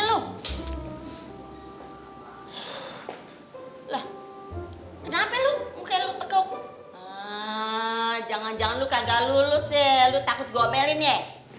lah kenapa lu muka lu tegok jangan jangan lu kagak lulus ya lu takut gobelin ya